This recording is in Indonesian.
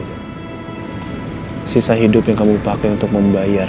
sisa hidup yang kamu pakai untuk membayar